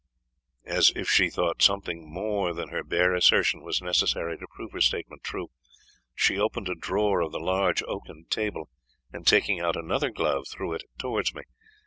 As if she thought something more than her bare assertion was necessary to prove her statement true, she opened a drawer of the large oaken table, and taking out another glove, threw it towards me.